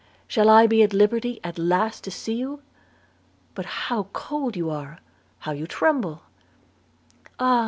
'Shall I be at liberty, at last to see you? But how cold you are! how you tremble!' 'Ah!